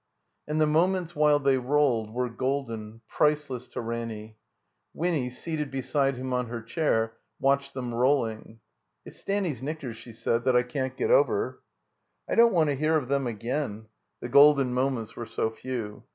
^ And the moments while they rolled were golden, priceless to Ranny. Wtnny, seated beside him on her chair, watched them rolling. "It's Stanny 's knickers," she said, "that I can't get over!" "I don't want to hear of them again" (the golden moments were so few).